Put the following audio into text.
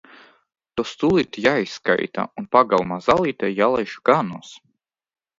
Tos tūlīt jāizskaita un pagalma zālītē jālaiž ganos.